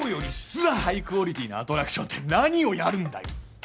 ハイクオリティーのアトラクションって何をやるんだよ！？